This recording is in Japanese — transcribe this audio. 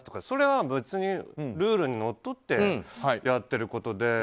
それは、別にルールにのっとってやっていることで。